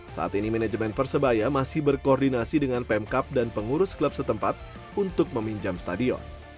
saat ini manajemen persebaya masih berkoordinasi dengan pemkap dan pengurus klub setempat untuk meminjam stadion